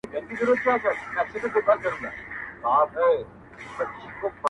• کتاب د انسان ژوند ته رڼا وربخښي او فکر ته پراخوالی ورکوي هر وخت -